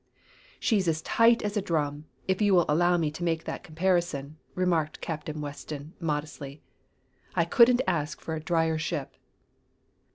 "She's as tight as a drum, if you will allow me to make that comparison," remarked Captain Weston modestly. "I couldn't ask for a dryer ship."